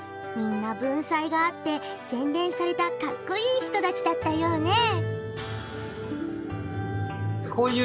みんな文才があって洗練されたかっこいい人たちだったようね。